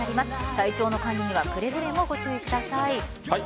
体調の管理にはくれぐれもご注意ください。